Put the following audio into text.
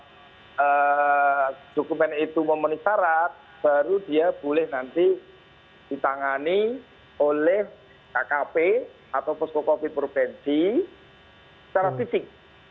kalau dokumen itu memenuhi syarat baru dia boleh nanti ditangani oleh kkp atau posko covid provinsi secara fisik